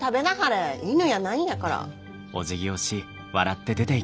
犬やないんやから。